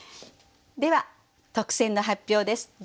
では特選の発表です。